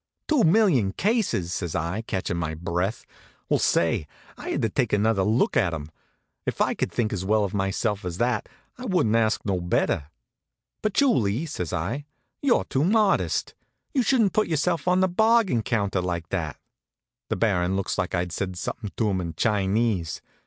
"Two million cases?" says I, catchin' my breath. Well, say! I had to take another look at him. If I could think as well of myself as that I wouldn't ask no better. "Patchouli," says I, "you're too modest. You shouldn't put yourself on the bargain counter like that." The Baron looks like I'd said somethin' to him in Chinese.